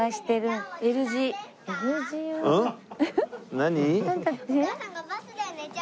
何？